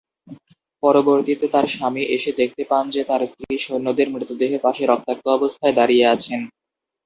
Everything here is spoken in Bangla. পরবর্তীতে তার স্বামী এসে দেখতে পান যে তার স্ত্রী সৈন্যদের মৃতদেহের পাশে রক্তাক্ত অবস্থায় দাঁড়িয়ে আছেন।